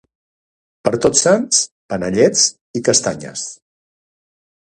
Per Tots Sants panellets i castanyes